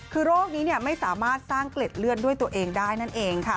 คือโรคนี้ไม่สามารถสร้างเกล็ดเลือดด้วยตัวเองได้นั่นเองค่ะ